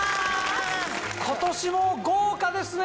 今年も豪華ですね！